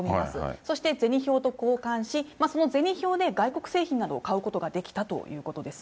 そして銭票と交換し、その銭票で外国製品などを買うことができたということです。